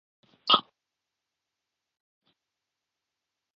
او ساتلی یې دی.